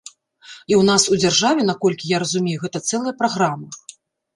І ў нас у дзяржаве, наколькі я разумею, гэта цэлая праграма.